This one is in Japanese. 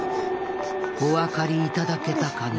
お分かりいただけたかな？